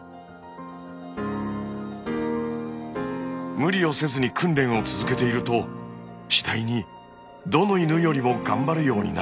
無理をせずに訓練を続けていると次第にどの犬よりも頑張るようになったんです。